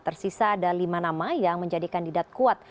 tersisa ada lima nama yang menjadi kandidat kuat